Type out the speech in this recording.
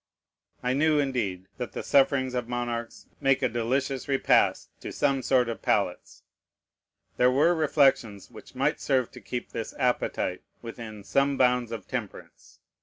I knew, indeed, that the sufferings of monarchs make a delicious repast to some sort of palates. There were reflections which might serve to keep this appetite within some bounds of temperance.